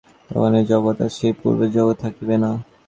তখন এই জগৎ আর সেই পূর্বের জগৎ থাকিবে না।